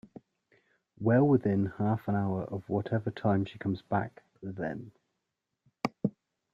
Well, within half an hour of whatever time she comes back, then.